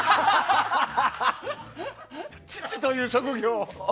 父という職業を。